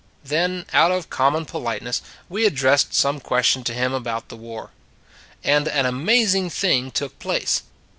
Then, out of common politeness, we addressed some question to him about the war. And an amazing thing took place.